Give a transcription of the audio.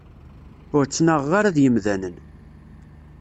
Ur ttnaɣeɣ ara d yemdanen.